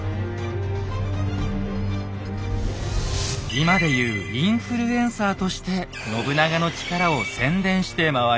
今で言うインフルエンサーとして信長の力を宣伝して回ります。